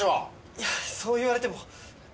いやあそう言われても。